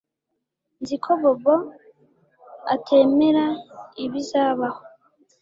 Nzi ko Bobo atemera ibizabaho